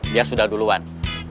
dia sudah duluan